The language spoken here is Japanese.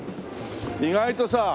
意外とさ